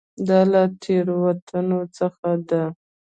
دا له تېروتنو څخه ده.